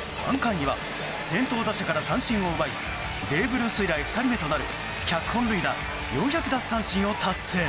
３回には先頭打者から三振を奪いベーブ・ルース以来２人目となる１００本塁打４００奪三振を達成。